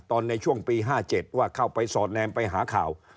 ตอนในช่วงปี๕๗ว่าเข้าไปสอดแนมไปหาข่าว